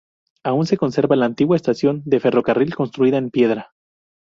Aún se conserva la antigua estación de ferrocarril construida en piedra.